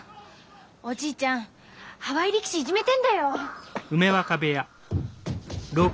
おじいちゃんハワイ力士いじめてんだよ！